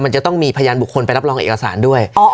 มันจะต้องมีพยานบุคคลไปรับรองเอกสารด้วย